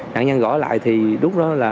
nạn nhân gõ lại thì lúc đó là